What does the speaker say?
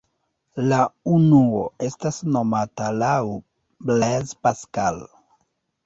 La unuo estas nomata laŭ Blaise Pascal.